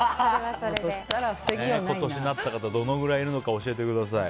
今年、なった方どのくらいいるのか教えてください。